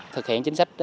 thực hiện chính sách